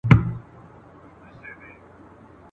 خدایه بیا به کله وینم خپل رنګین بیرغ منلی !.